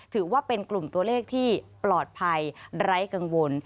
ถือว่าเป็นกลุ่มตัวเลขที่ปลอดภัยไร้กังวล